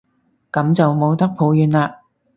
噉就冇得抱怨喇